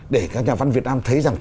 để các nhà văn việt nam thấy rằng